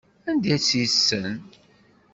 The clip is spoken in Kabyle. Anda tt-yessen?